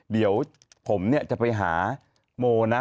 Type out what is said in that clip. เดี๋ยวผมเนี่ยจะไปหาโมนะ